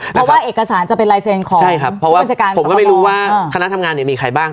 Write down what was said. เพราะว่าเอกสารจะเป็นลายเซ็นต์ของใช่ครับเพราะว่าผมก็ไม่รู้ว่าคณะทำงานเนี่ยมีใครบ้าง